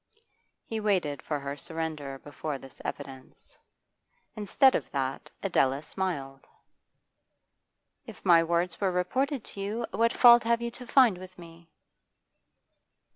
He waited for her surrender before this evidence. Instead of that Adela smiled. 'If my words were reported to you, what fault have you to find with me?